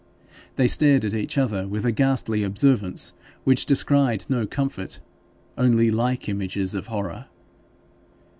They stared at each other with a ghastly observance, which descried no comfort, only like images of horror.